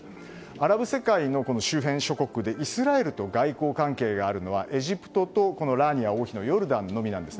アラブ世界の周辺諸国でイスラエルと外交関係があるのはエジプトとこのラーニア王妃のヨルダンのみなんです。